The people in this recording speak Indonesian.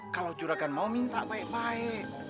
kalau juragan mau minta baik baik